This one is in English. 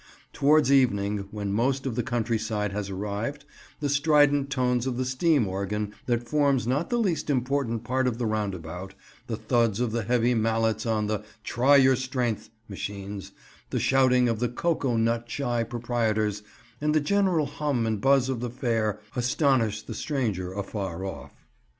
Towards evening, when most of the countryside has arrived, the strident tones of the steam organ that forms not the least important part of the roundabout, the thuds of the heavy mallets on the "try your strength" machines, the shouting of the cocoa nut shy proprietors, and the general hum and buzz of the fair astonish the stranger afar off.